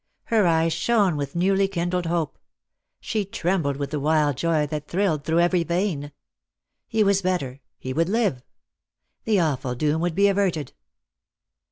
Her eyes shone with newly kindled hope; she trembled with the wild joy that thrilled through every vein. He was better — he would live. The awful doom would be averted.